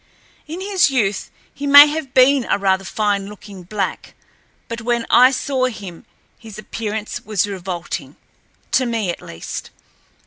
In his youth he may have been a rather fine looking black, but when I saw him his appearance was revolting—to me, at least.